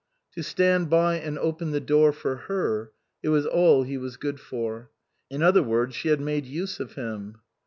To stand by and open the door for her it was all he was good for. In other words, she had made use of him.